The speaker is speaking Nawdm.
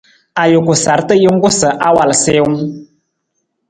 Ajuku sarta jungku sa awal siiwung.